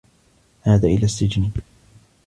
عاد إلى السّجن.